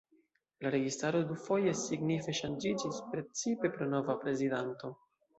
La registaro dufoje signife ŝanĝiĝis, precipe pro nova prezidanto.